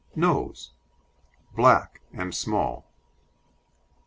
NOSE Black and small.